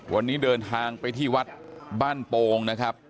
วันนี้เดินทางไปที่วัดบ้านโป่งนะครับ